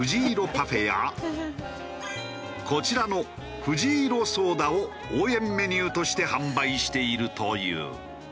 パフェやこちらのふじいろそうだを応援メニューとして販売しているという。